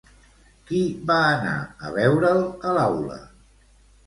Qui va anar a veure'l a l'aula?